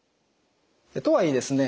とはいえですね